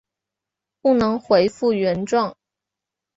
不能回复原状